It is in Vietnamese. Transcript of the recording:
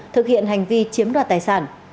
thực hiện hành vi chiếm đoạt tài sản